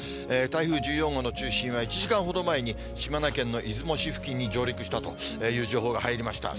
台風１４号の中心は１時間ほど前に、島根県の出雲市付近に上陸したという情報が入りました。